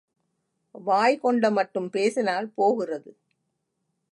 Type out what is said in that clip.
வாய் கொண்ட மட்டும் பேசினால் போகிறது.